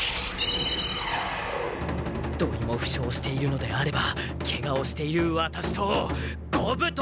土井もふしょうしているのであればケガをしているワタシと五分と五分！